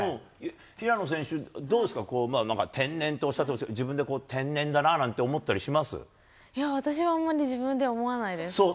平野選手、どうですか、なんか、天然っておっしゃってましたが、自分でこう、天然だなっいや、私はあんまり自分ではそう？